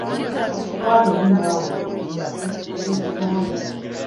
Twala eri naawe totukooya.